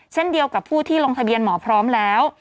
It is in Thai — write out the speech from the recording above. เช่นเดียวกับผู้ที่ลงทะเบียนหมอพร้อมแล้ว